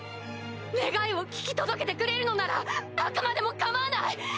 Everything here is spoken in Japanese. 願いを聞き届けてくれるのなら悪魔でも構わない！